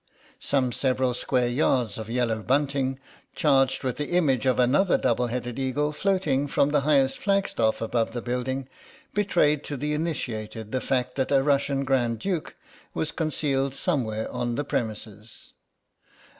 Some several square yards of yellow bunting, charged with the image of another double headed eagle, floating from the highest flag staff above the building, betrayed to the initiated the fact that a Russian Grand Duke was concealed somewhere on the premises.